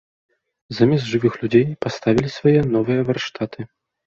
Замест жывых людзей паставілі свае новыя варштаты.